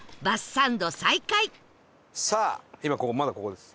今ここまだここです。